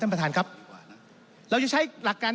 ท่านประธานก็เป็นสอสอมาหลายสมัย